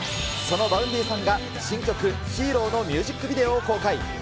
そのバウンディさんが新曲、ＨＥＲＯのミュージックビデオを公開。